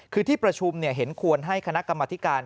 คือที่ประชุมเห็นควรให้คณะกรรมธิการ